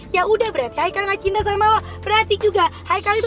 yaudah berarti haikal gak cinta sama lo berarti juga haikal itu